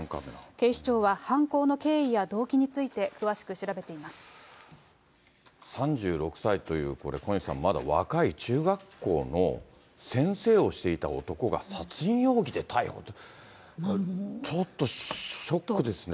警視庁は犯行の経緯や動機につい３６歳という、これ小西さん、若い、中学校の先生をしていた男が殺人容疑で逮捕と、ちょっとショックですね。